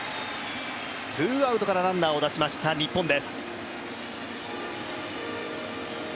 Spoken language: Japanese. ツーアウトからランナーを出しました、日本です。